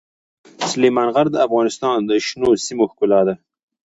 سلیمان غر د افغانستان د شنو سیمو ښکلا ده.